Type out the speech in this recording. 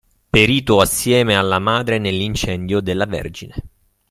perito assieme alla madre nell'incendio della Vergine!